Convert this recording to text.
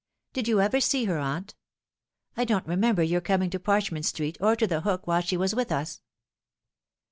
Did you ever see her, aunt ? I don't remember your coming to Parchment Street or to The Hook while she was with us."